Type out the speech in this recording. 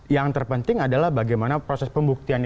yang terpenting adalah bagaimana proses pembuktiannya